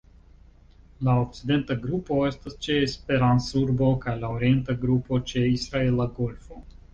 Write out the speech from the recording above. La okcidenta grupo estas ĉe Esperance-Urbo kaj la orienta grupo ĉe Israela Golfo.